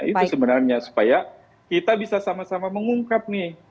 itu sebenarnya supaya kita bisa sama sama mengungkap nih